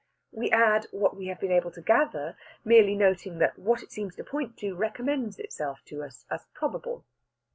We add what we have been able to gather, merely noting that what it seems to point to recommends itself to us as probable.